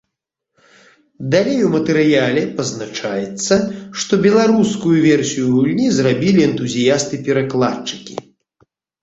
Далей у матэрыяле пазначаецца, што беларускую версію гульні зрабілі энтузіясты-перакладчыкі.